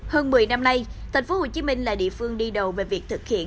hơn một mươi năm nay thành phố hồ chí minh là địa phương đi đầu về việc thực hiện